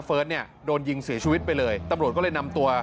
เฟิร์ดเนี้ยโดนยิงเสียชีวิตไปเลยตำหลวดก็เลยนำตัว